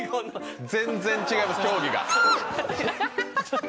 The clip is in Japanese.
全然違います競技が。キャ！